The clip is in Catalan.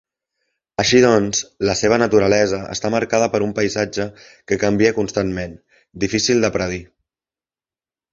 Així doncs, la seva naturalesa està marcada per un paisatge que canvia constantment, difícil de predir.